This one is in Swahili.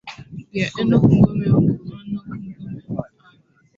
ya enock ngome enock ngome aa